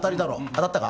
当たったか？